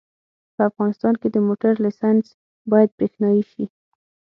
په افغانستان کې د موټر لېسنس باید برېښنایي شي